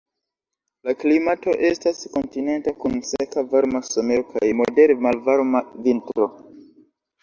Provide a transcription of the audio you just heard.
La klimato estas kontinenta, kun seka varma somero kaj modere malvarma vintro.